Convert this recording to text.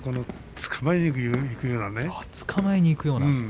つかまえにいくようですか。